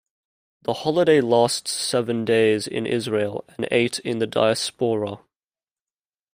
The holiday lasts seven days in Israel and eight in the diaspora.